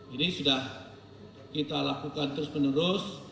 ini sudah kita lakukan terus menerus